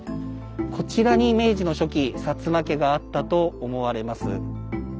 こちらに明治の初期薩摩家があったと思われます。